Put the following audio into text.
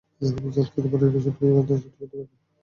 আমি ঝাল খেতে পারি না, শুঁটকির গন্ধ সহ্য করতে পারি না।